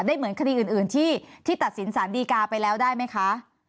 เหมือนคดีอื่นที่ตัดสินสารดีกาไปแล้วได้ไหมคะ